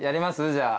じゃあ。